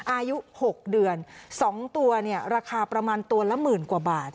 อายุ๖เดือน๒ตัวเนี่ยราคาประมาณตัวละหมื่นกว่าบาท